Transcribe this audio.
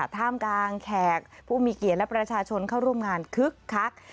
ท่ามกลางแขกผู้มีเกียรติและประชาชนเข้าร่วมงานคึกคัก